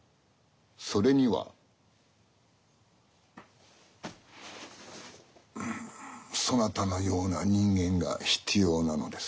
それにはそなたのような人間が必要なのです。